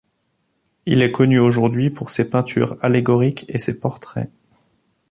Il est connu aujourd'hui pour ses peintures allégoriques et ses portraits.